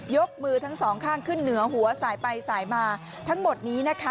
ยกมือทั้งสองข้างขึ้นเหนือหัวสายไปสายมาทั้งหมดนี้นะคะ